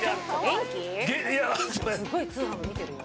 すごい通販、見てる。